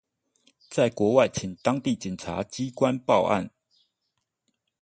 在國外請向當地警察機關報案